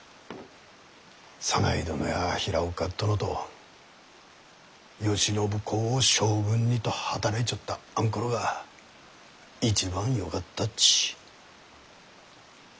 左内殿や平岡殿と「慶喜公を将軍に」と働いちょったあんころが一番よかったち。